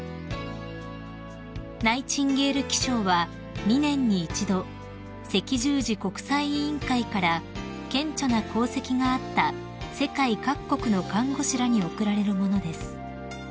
［ナイチンゲール記章は２年に一度赤十字国際委員会から顕著な功績があった世界各国の看護師らに贈られるものです］